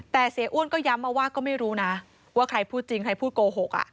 แต่เสียอ้วนก็ย้ำมาว่าก็ไม่รู้นะว่าใครพูดจริงใครพูดโกหก